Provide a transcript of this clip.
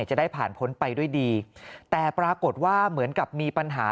จะได้ผ่านพ้นไปด้วยดีแต่ปรากฏว่าเหมือนกับมีปัญหา